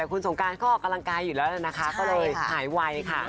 แต่คุณสงการก็กำลังกายอยู่แล้วเลยนะคะก็เลยหายวัยค่ะ